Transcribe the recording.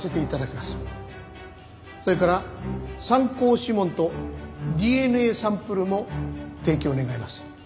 それから参考指紋とＤＮＡサンプルも提供願います。